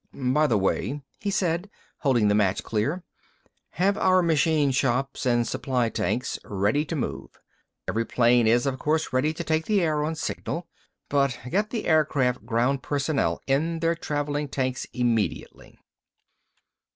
"By the way," he said, holding the match clear, "have our machine shops and supply tanks ready to move. Every plane is, of course, ready to take the air on signal. But get the aircraft ground personnel in their traveling tanks immediately."